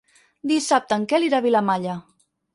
Dissabte en Quel irà a Vilamalla.